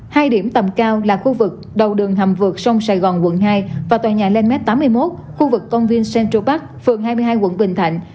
hai điểm tầm cao là khu vực đầu đường hầm vượt sông sài gòn quận hai và tòa nhà landmme tám mươi một khu vực công viên central park phường hai mươi hai quận bình thạnh